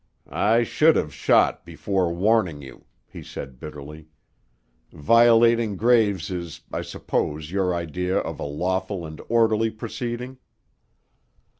"I should have shot before warning you," he said bitterly. "Violating graves is, I suppose, your idea of a lawful and orderly proceeding."